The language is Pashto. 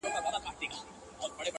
مُلاجان ویل ه- د پنجاب چټي په نام دي-